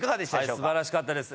はい素晴らしかったです